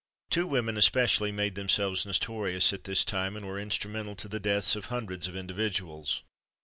Two women, especially, made themselves notorious at this time, and were instrumental to the deaths of hundreds of individuals.